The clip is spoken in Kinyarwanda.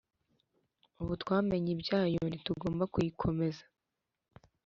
ubu twamenye ibyayo, ntitugomba kuyikomeza.